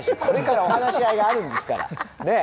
これからお話し合いがあるんですから。